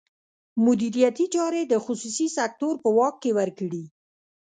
مدیریتي چارې د خصوصي سکتور په واک کې ورکړي.